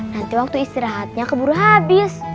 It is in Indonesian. nanti waktu istirahatnya keburu habis